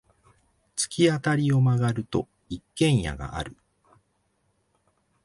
突き当たりを曲がると、一軒家がある。